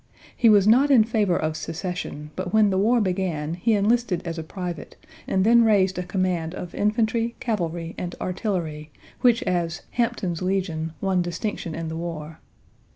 He was not in favor of secession, but when the war began he enlisted as a private and then raised a command of infantry, cavalry, and artillery, which as "Hampton's Legion" won distinction in the war.